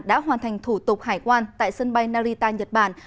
đã hoàn thành thủ tục hải quan tại sân bay narita nhật bản